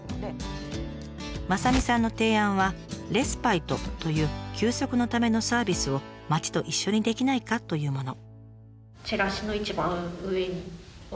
雅美さんの提案は「レスパイト」という休息のためのサービスを町と一緒にできないかというもの。